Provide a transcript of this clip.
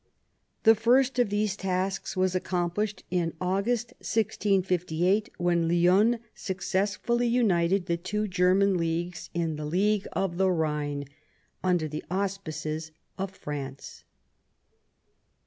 The first of these tasks was accomplished in August 1658, when Lionne successfully united the two German leagues in the League of the Khine, under the auspices of France.